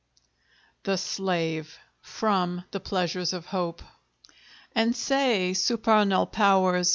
THE SLAVE From the 'Pleasures of Hope' And say, supernal Powers!